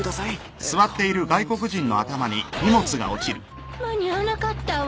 あっ間に合わなかったわ。